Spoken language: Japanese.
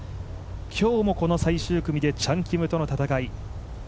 今日もこの最終組でチャン・キムとの戦い。